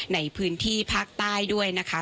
ในพื้นที่ภาคใต้ด้วยนะคะ